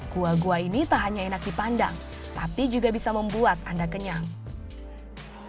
gua gua ini tak hanya enak dipandang tapi juga bisa membuat anda kenyang